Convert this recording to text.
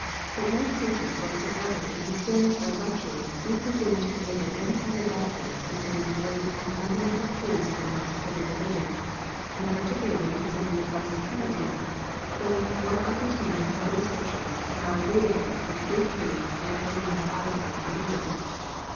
that no preacher whatsoever in his sermons or lectures do presume to deliver any other doctrines concerning the great and fundamental truths of our most holy religion, and particularly concerning the blessed Trinity, than what are contained in the Holy Scriptures, and are agreeable to the three Creeds and the Thirty nine Articles of religion."